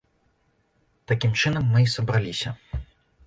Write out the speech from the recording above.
Такім чынам мы і сабраліся.